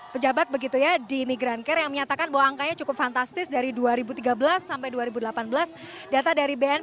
pejabat begitu ya di migrancare yang menyatakan bahwa angkanya cukup fantastis dari dua ribu tiga belas dua ribu delapan belas